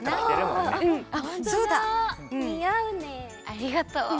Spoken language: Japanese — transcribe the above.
ありがとう。